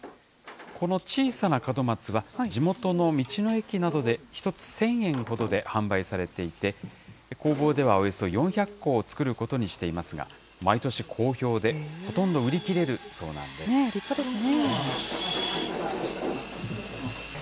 この小さな門松は、地元の道の駅などで１つ１０００円ほどで販売されていて、工房ではおよそ４００個を作ることにしていますが、毎年好評で、ほとん立派ですね。